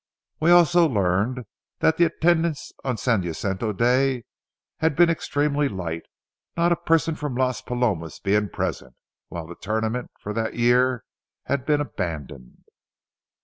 We also learned that the attendance on San Jacinto Day had been extremely light, not a person from Las Palomas being present, while the tournament for that year had been abandoned.